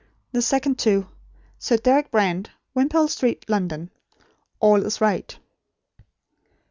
The second to Sir Deryck Brand, Wimpole Sheet, London. "All is right."